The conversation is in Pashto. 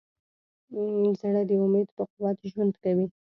زړه د امید په قوت ژوند کوي.